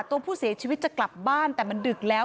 ตัวผู้เสียชีวิตจะกลับบ้านแต่มันดึกแล้ว